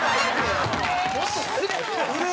もっと刷れ！